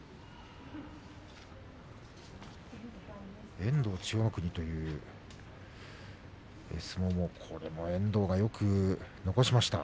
遠藤、千代の国という相撲も遠藤がよく残しました。